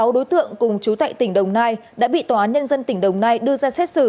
sáu đối tượng cùng chú tại tỉnh đồng nai đã bị tòa án nhân dân tỉnh đồng nai đưa ra xét xử